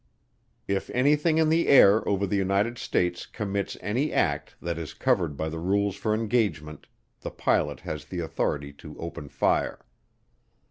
If anything in the air over the United States commits any act that is covered by the rules for engagement, the pilot has the authority to open fire.